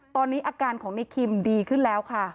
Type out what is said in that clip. ตอนนี้อาการของในคิมดีขึ้นแล้วค่ะ